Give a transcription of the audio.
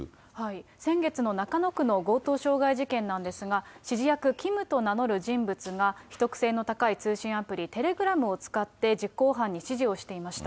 先月の中野区の強盗傷害事件なんですが、指示役、ＫＩＭと名乗る人物が、秘匿性の高い通信アプリ、テレグラムを使って、実行犯に指示をしていました。